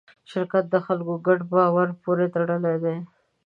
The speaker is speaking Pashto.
شرکت د خلکو ګډ باور پورې تړلی دی.